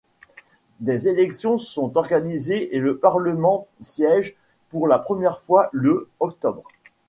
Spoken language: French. Des élections sont organisées et le Parlement siège pour la première fois le octobre.